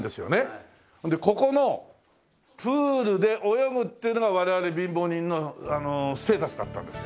でここのプールで泳ぐっていうのが我々貧乏人のステータスだったんですよ。